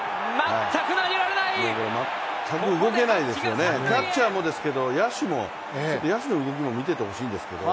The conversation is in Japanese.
全く動けないですよね、キャッチャーもですけど、野手の動きも見ていてほしいんですけれども。